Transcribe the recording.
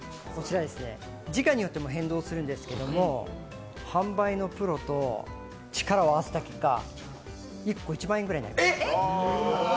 時価によっても変動するんですけど、販売のプロと力を合わせた結果１個１万円ぐらいになりました。